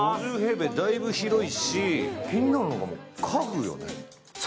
だいぶ広いし、気になるのが家具よね。